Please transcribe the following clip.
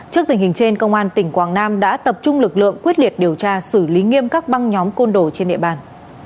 trước tình hình trên công an tỉnh quảng nam đã tập trung lực lượng quyết liệt điều tra xử lý nghiêm các băng nhóm côn đồ trên địa bàn